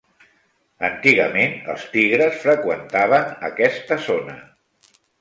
Antigament, els tigres freqüentaven aquesta zona.